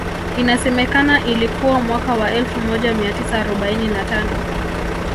Inasemekana ilikuwa mwaka wa elfu moja mia tisa arobaini na tano